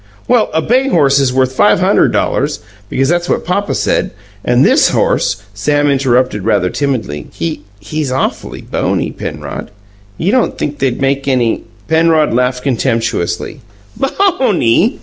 Well, a bay horse is worth five hunderd dollars, because that's what Papa said, and this horse " Sam interrupted rather timidly. "He he's awful bony, Penrod. You don't guess they'd make any " Penrod laughed contemptuously. "Bony!